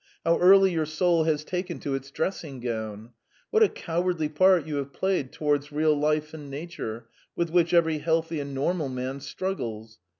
How early your soul has taken to its dressing gown! What a cowardly part you have played towards real life and nature, with which every healthy and normal man struggles!